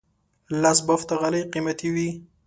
لاس بافته غالۍ قیمتي وي.